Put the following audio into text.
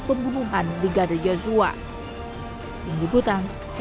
pembunuhan brigadier joshua